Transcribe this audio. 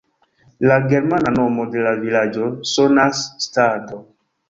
La germana nomo de la vilaĝo sonas "Staadl".